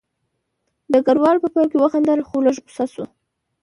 ډګروال په پیل کې وخندل خو لږ غوسه شو